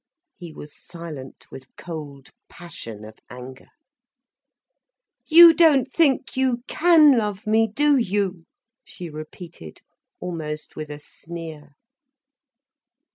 He was silent with cold passion of anger. "You don't think you can love me, do you?" she repeated almost with a sneer.